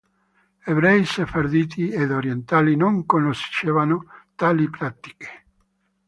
Ebrei sefarditi ed orientali non conoscevano tali pratiche.